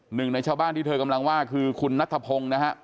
หนึ่งในชาวบ้านที่เธอกำลังว่าคือคุณนัทธพงศ์นะฮะ